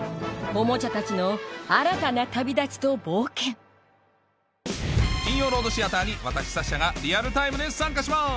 オモチャたちの新たな旅立ちと冒険金曜ロードシアターに私サッシャがリアルタイムで参加します！